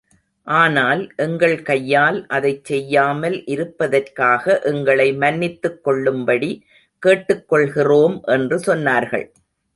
ஆனால், எங்கள் கையால், அதைச் செய்யாமால் இருப்பதற்காக எங்களை மன்னித்துக் கொள்ளும்படி கேட்டுக் கொள்கிறோம் என்று சொன்னார்கள்.